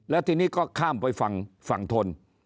และทีนี้ก็ข้ามไปฝั่งธน